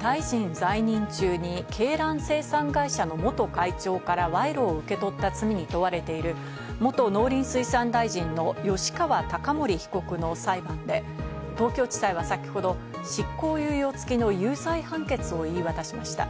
大臣在任中に鶏卵生産会社の元会長から賄賂を受け取った罪に問われている元農林水産大臣の吉川貴盛被告の裁判で東京地裁は先ほど執行猶予付きの有罪判決を言い渡しました。